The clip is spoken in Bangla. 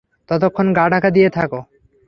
ততক্ষণ গাঁ ঢাকা দিয়ে থাকো।